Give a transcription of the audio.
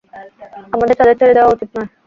আমাদের তাদের ছেড়ে দেয়া উচিত নয়!